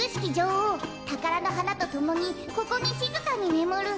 おうたからのはなとともにここにしずかにねむる」。